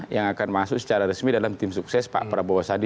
yang akan masuk secara resmi dalam tim sukses pak prabowo sadi